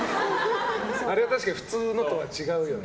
あれは確かに普通のとは違うよね。